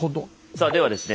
さあではですね